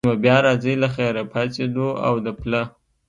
نو بیا راځئ له خیره، پاڅېدو او د پله.